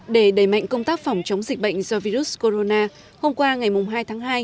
để đẩy mạnh công tác phòng chống dịch bệnh do virus corona hôm qua ngày hai tháng hai